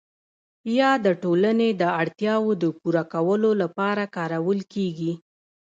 یا د ټولنې د اړتیاوو د پوره کولو لپاره کارول کیږي؟